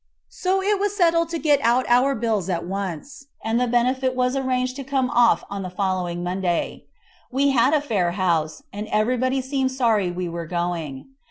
So it was settled to get out our bills at once, and the benefit was arranged to come off on the following Monday. We had a fair house, and everybody seemed sorry we were going.